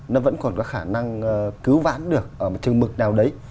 nó vẫn còn có khả năng cứu vãn được ở một chừng mực nào đấy